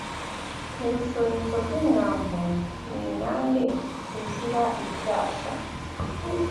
Ni rushorezo rw’inyambo Ni inyange izira icyasha